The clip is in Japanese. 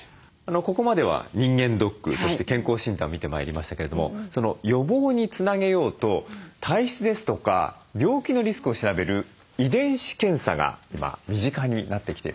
ここまでは人間ドックそして健康診断を見てまいりましたけれども予防につなげようと体質ですとか病気のリスクを調べる遺伝子検査が今身近になってきています。